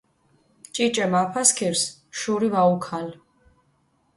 ჭიჭე მაფასქირს შური ვაუქალჷ.